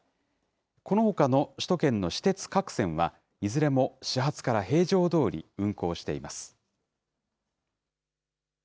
このほかの首都圏の私鉄各線は、いずれも始発から平常どおり運行しています。